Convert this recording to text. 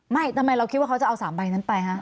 ทำไมเราคิดว่าเขาจะเอา๓ใบนั้นไปฮะ